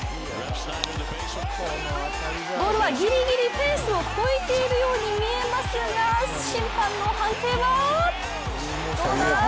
ボールはギリギリフェンスを越えているように見えますが審判の判定は？